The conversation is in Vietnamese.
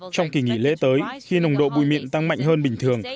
trong kỳ nghỉ lễ tới khi nồng độ bụi mịn tăng mạnh hơn bình thường